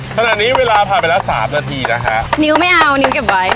ขณะนี้เวลาผ่านไปแล้วสามนาทีนะคะนิ้วไม่เอานิ้วเก็บไว้